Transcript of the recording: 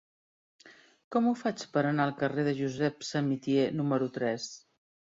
Com ho faig per anar al carrer de Josep Samitier número tres?